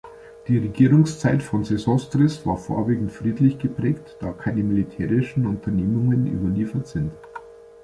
Die Regierungszeit von Sesostris war vorwiegend friedlich geprägt, da keine militärischen Unternehmungen überliefert sind.